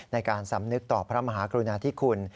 สำนึกต่อพระมหากรุณาธิคุณ